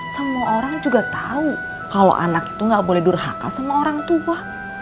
semua orang juga tahu kalau anak itu gak boleh durhaka sama orang tua